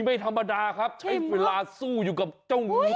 อุ๊ยไม่ธรรมดาครับใช้เวลาสู้อยู่กับเจ้างูตัวนี้